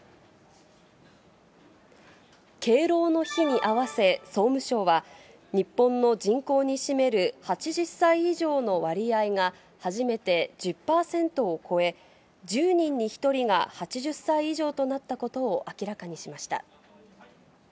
敬老の日に合わせ、総務省は、日本の人口に占める８０歳以上の割合が初めて１０％を超え、１０人に１人が８０歳以上となったことを明らかにしました。